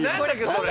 それ。